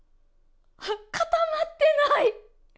固まってない！